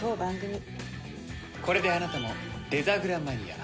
これであなたもデザグラマニア。